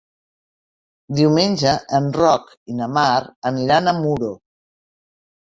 Diumenge en Roc i na Mar aniran a Muro.